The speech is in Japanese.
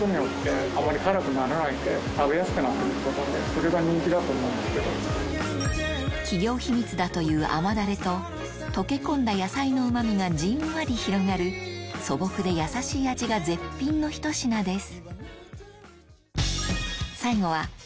不動の人気を誇っているのがこちらの企業秘密だという甘ダレと溶け込んだ野菜のうまみがじんわり広がる素朴でやさしい味が絶品のひと品です